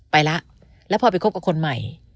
ไปแล้วแล้วพอไปคบกับคนใหม่